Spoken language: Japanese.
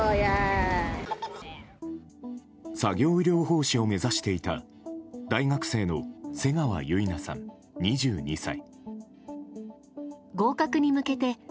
作業療法士を目指していた大学生の瀬川結菜さん、２２歳。